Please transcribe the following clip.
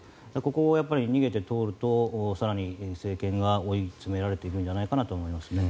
ここを逃げて通ると更に政権が追い詰められていくんじゃないかなと思いますね。